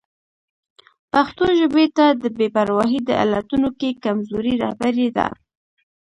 پښتو ژبې ته د بې پرواهي د علتونو کې کمزوري رهبري ده.